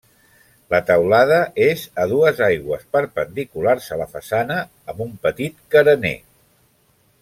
La teulada és a dues aigües perpendiculars a la façana amb un petit carener.